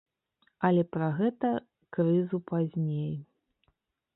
Але пра гэта крызу пазней.